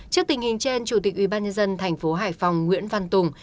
trước tình hình trên chủ tịch ubnd tp hải phòng nguyễn văn tùng